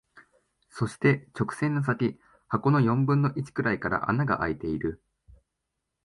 そして、直線の先、箱の四分の一くらいから穴が空いている。